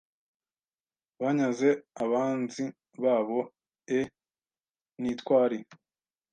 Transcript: banyaze abanzi babo e ntitwari